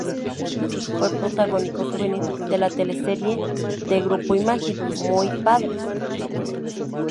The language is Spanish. Fue protagónico juvenil de la teleserie de Grupo Imagen "¡Muy padres!